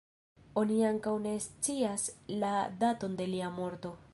Oni ankaŭ ne scias la daton de lia morto.